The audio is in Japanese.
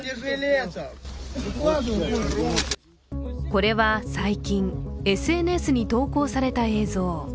これは最近、ＳＮＳに投稿された映像。